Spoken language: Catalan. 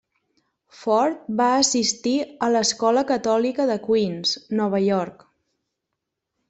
Ford va assistir a l'escola catòlica de Queens, Nova York.